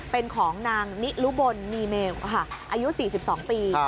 เป็นของนางนิลุบลนีเมลอายุ๔๒ปี